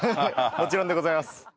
もちろんでございます。